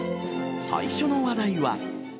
最初の話題は。